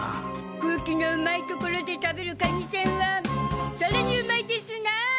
空気のうまいところで食べるかにせんはさらにうまいですなあ！